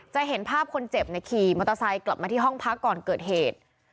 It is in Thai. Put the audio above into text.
จะเห็นภาพคนเจ็บขี่มอเตอร์ไซค์กลับมาที่ห้องพักก่อนเกิดเหตุ